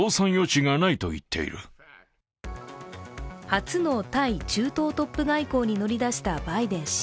初の対中東トップ外交に乗り出したバイデン氏。